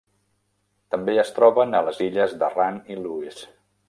També es troben a les illes d'Arran i Lewis.